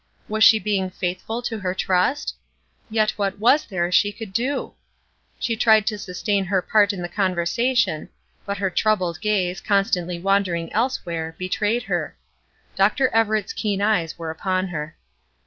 Was she being faithful to her trust? Yet what was there she could do? She tried to sustain her part in the conversation, but her troubled gaze, constantly wandering elsewhere, betrayed her. Dr. Everett's keen eyes were upon her.